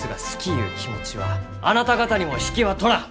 ゆう気持ちはあなた方にも引けはとらん！